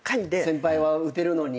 先輩は打てるのに。